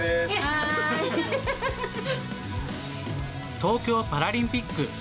東京パラリンピック。